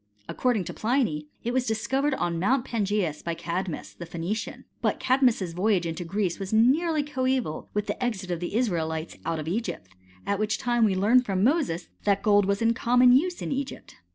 According to Pliny, it was discovered on Mount Pangseus by Cadmus, the Phoenician: but Cadmus's voyage into Greece was nearly coeval with the exit of the Israelites out of Egypt, at which time we learn from Moses that gold was in common uae in Egypt.